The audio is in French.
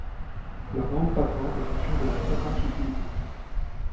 La bande passante est fonction de la fréquence utilisée.